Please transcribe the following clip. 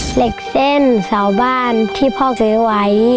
เหล็กเส้นสว่าบ้านที่พ่อเเตอร์ไวท์